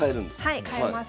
はい替えます。